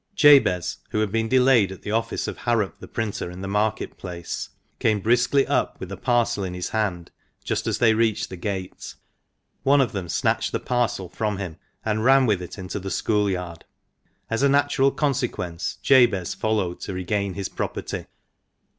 Jabez, who had been delayed at the office of Harrop the printer in the Market Place, came briskly up with a parcel in his hand just as they reached the gate. One of them snatched the parcel from him and ran with it into the school yard. As a natural consequence Jabez followed to regain his property.